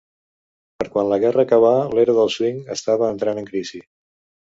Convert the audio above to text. Per quan la guerra acabà, l'era del swing estava entrant en crisi.